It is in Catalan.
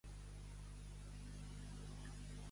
Dimarts, no ordeixis tela, ni cases parentela.